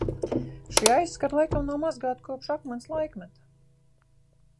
Šie aizkari laikam nav mazgāti kopš akmens laikmeta.